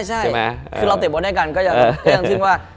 ใช่คือเราเตรียมบนให้กันก็ยังถึงว่า